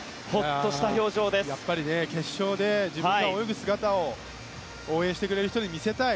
やっぱり決勝で自分が泳ぐ姿を応援してくれる人に見せたい。